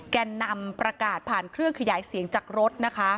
แก่นนำประกาศผ่านเครื่องขยายเสียงจากรถนะคะ